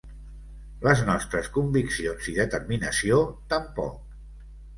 Les nostres conviccions i determinació tampoc.